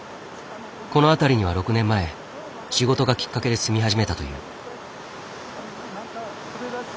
この辺りには６年前仕事がきっかけで住み始めたという。